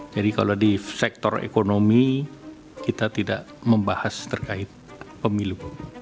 jadi kalau di sektor ekonomi kita tidak membahas terkait pemilu